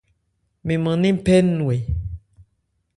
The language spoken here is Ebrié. Mɛn mân nɛ́n phɛ́ nnwɛ.